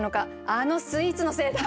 あのスイーツのせいだ！